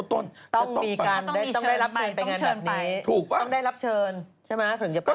จะต้องไปต้องเชิญไปต้องได้รับเชิญใช่ไหมถึงจะไป